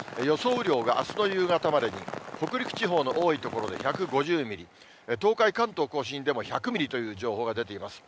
雨量が、あすの夕方までに北陸地方の多い所で１５０ミリ、東海、関東甲信でも１００ミリという情報が出ています。